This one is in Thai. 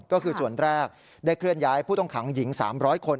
ก็คือส่วนแรกได้เคลื่อนย้ายผู้ต้องขังหญิง๓๐๐คน